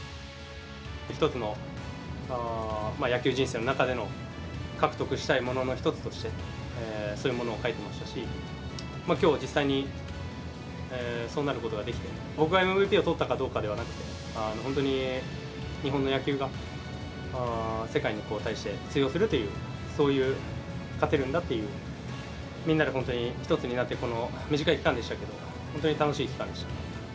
１つの野球人生の中での獲得したいものの一つとして、そういうものを書いてましたし、きょう実際に、そうなることができて、僕がＭＶＰをとったかどうかではなくて、本当に日本の野球が、世界に対して通用するという、そういう勝てるんだという、みんなで本当に一つになって、この短い期間でしたけど、本当に楽しい期間でした。